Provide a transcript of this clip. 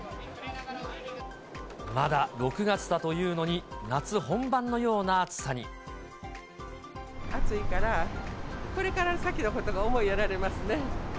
まだ６月だというのに、暑いから、これから先のことが思いやられますね。